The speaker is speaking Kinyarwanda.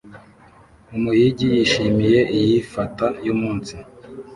Umuhigi yishimiye iyi fata yumunsi